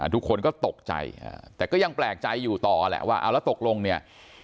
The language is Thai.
ทุกคนก็ตกใจแต่ก็ยังแปลกใจอยู่ต่อแหละว่าเอาแล้วตกลงเนี่ย